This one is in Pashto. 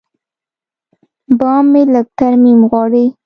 بام مې لږ ترمیم غواړي.